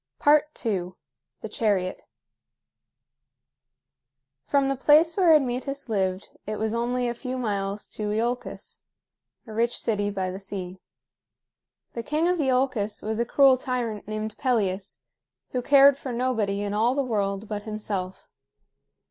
II. THE CHARIOT. From the place where Admetus lived it was only a few miles to Iolcus, a rich city by the sea. The king of Iolcus was a cruel tyrant named Pelias, who cared for nobody in all the world but himself.